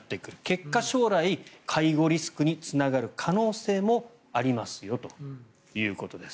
結果、将来介護リスクにつながる可能性もありますよということです。